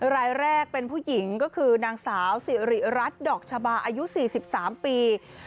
รายแรกเป็นผู้หญิงก็คือนางสาวสิริรัตน์ดอกชะบาอายุ๔๓ปี